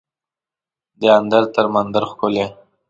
دهاندر تر مندر ښکلی